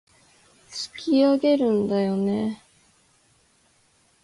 突き上げるんだよね